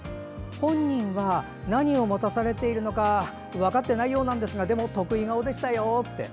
本人は何を持たされているのかよく分かってないようなんですが得意顔でしたよと。